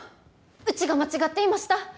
うちが間違っていました。